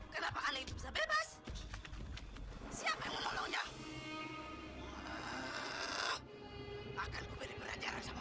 jadi mereka menolong permintaanku